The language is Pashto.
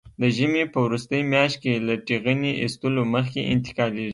د ژمي په وروستۍ میاشت کې له ټېغنې ایستلو مخکې انتقالېږي.